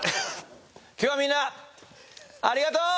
今日はみんなありがとう！